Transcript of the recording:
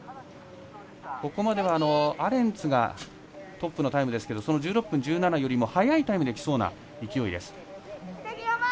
ここまでは、アレンツがトップのタイムですが１６分１７よりも速いタイムできそうな勢いです。